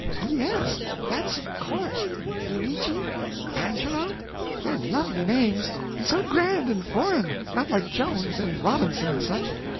"Yes, that's of course. Luigi Angelo. They're lovely names; and so grand and foreign not like Jones and Robinson and such.